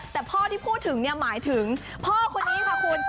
แต่พ่อที่พูดถึงหมายถึงพ่อคนนี้ค่ะคุณ